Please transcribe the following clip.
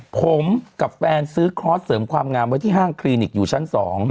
ผมกับแฟนซื้อคลอสเสริมความงามไว้ที่ห้างคลินิกอยู่ชั้น๒